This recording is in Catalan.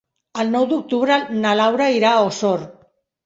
El nou d'octubre na Laura irà a Osor.